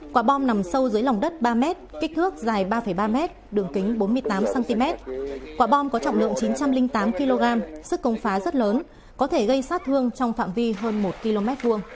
quả bom nằm sâu dưới lòng đất ba m kích thước dài ba ba m đường kính bốn mươi tám cm quả bom có trọng lượng chín trăm linh tám kg sức công phá rất lớn có thể gây sát thương trong phạm vi hơn một km hai